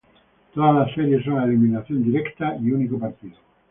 Todas las series son a eliminación directa y único partido.